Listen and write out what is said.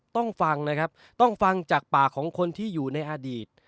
ต้องฟังนะครับต้องฟังจากปากของคนที่อยู่ในอดีต